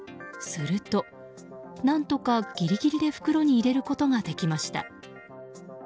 すると、何とかギリギリで袋に入れることができました。